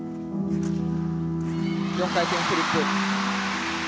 ４回転フリップ。